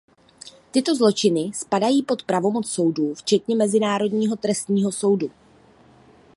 Tyto zločiny spadají pod pravomoc soudů, včetně Mezinárodního trestního soudu.